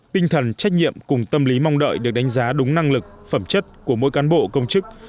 tinh thần trách nhiệm cùng tâm lý mong đợi được đánh giá đúng năng lực phẩm chất của mỗi cán bộ công chức